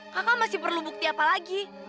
kakak masih perlu bukti apa lagi